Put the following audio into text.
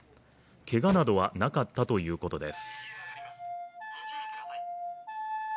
けがなどはなかったということです。